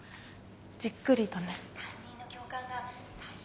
じっくりとね。